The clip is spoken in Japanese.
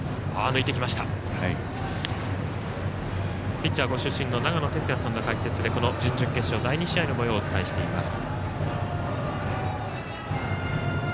ピッチャーご出身の長野哲也さんの解説でこの準々決勝第２試合のもようをお伝えしています。